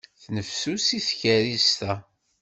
Tennefsusi tkerrist-a.